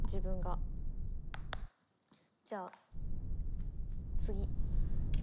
じゃあ次。